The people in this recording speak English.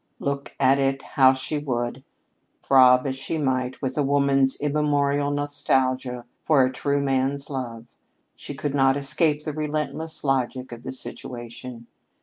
Look at it how she would, throb as she might with a woman's immemorial nostalgia for a true man's love, she could not escape the relentless logic of the situation.